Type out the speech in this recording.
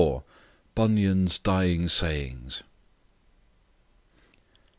BUNYAN'S DYING SAYINGS.